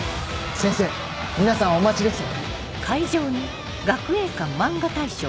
先生皆さんお待ちですよ。